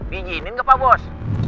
bijiinin gak pak bos